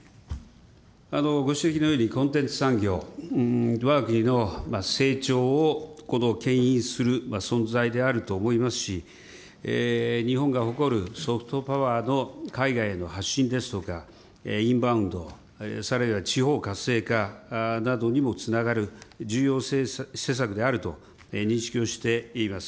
ご指摘のようにコンテンツ産業、わが国の成長をけん引する存在であると思いますし、日本が誇るソフトパワーの海外への発信ですとか、インバウンド、さらには地方活性化などにもつながる重要施策であると認識をしています。